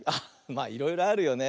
まあいろいろあるよね。